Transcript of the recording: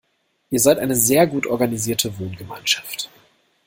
Ihr seid eine sehr gut organisierte Wohngemeinschaft.